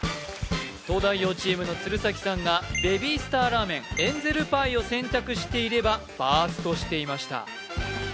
東大王チームの鶴崎さんがベビースターラーメンエンゼルパイを選択していればバーストしていました